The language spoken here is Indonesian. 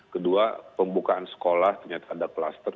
kedua pembukaan sekolah ternyata ada kluster